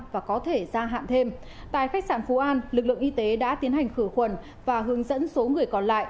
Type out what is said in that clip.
và có thể gia hạn thêm tại khách sạn phú an lực lượng y tế đã tiến hành khử khuẩn và hướng dẫn số người còn lại